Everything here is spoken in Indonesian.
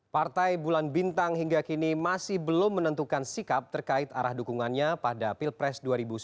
partai bulan bintang hingga kini masih belum menentukan sikap terkait arah dukungannya pada pilpres dua ribu sembilan belas